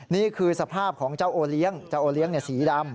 นี่คือสภาพของเจ้าโอเลี้ยงเจ้าโอเลี้ยงสีดำ